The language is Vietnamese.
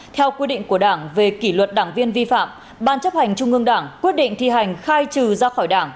theo quy định của đảng về kỷ luật đảng viên vi phạm ban chấp hành trung ương đảng quyết định thi hành khai trừ ra khỏi đảng